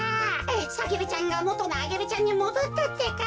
サゲルちゃんがもとのアゲルちゃんにもどったってか。